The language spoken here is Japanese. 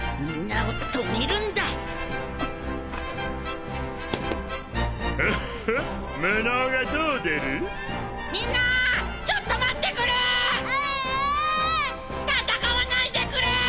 みんなちょっと待ってくれ！